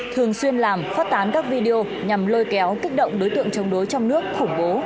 thường xuyên làm phát tán các video nhằm lôi kéo kích động đối tượng chống đối trong nước khủng bố